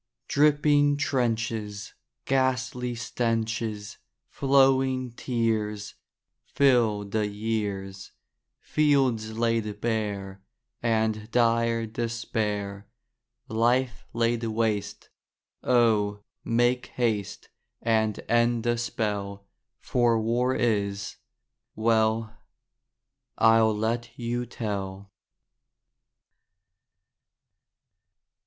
Dripping trenches, Ghastly stenches, Flowing tears, Fill the years, Fields laid bare, And dire despair, Life laid waste, O, make haste And end the spell, For war is—well, I'll let you tell.